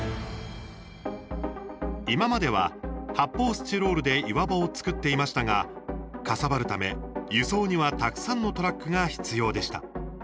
今までは、発泡スチロールで岩場を作っていましたがかさばるため輸送にはたくさんのトラックが必要でした。